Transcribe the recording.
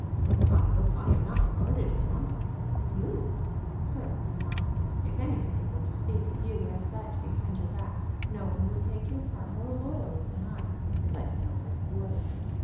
"I hope I am not regarded as one." "You? certainly not. If anybody were to speak of you as such behind your back no one would take your part more loyally than I. But nobody would."